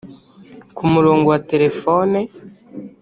Ku murongo wa Telefone